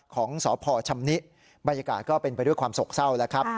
ของสพชำนิบรรยากาศก็เป็นไปด้วยความโศกเศร้าแล้วครับ